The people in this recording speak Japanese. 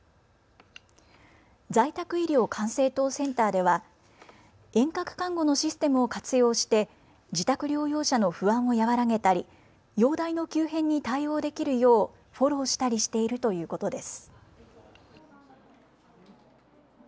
在宅医療管制塔センターでは遠隔看護のシステムを活用して自宅療養者の不安を和らげたり容体の急変に対応できるようフォローしたりしているということです。